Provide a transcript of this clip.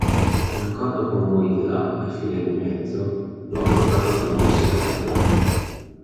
Un accordo con Willa, la figlia di mezzo, lo ha portato a fingersi Adam.